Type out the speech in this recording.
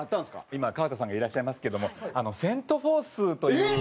今は川田さんがいらっしゃいますけどもセント・フォースという。